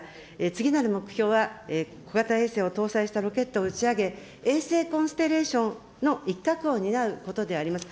次なる目標は、小型衛星を搭載したロケットを打ち上げ、衛星コンステレーションの一角を担うことであります。